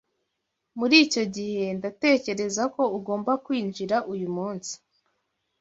Muri icyo gihe, ndatekereza ko ugomba kwinjira uyu munsi.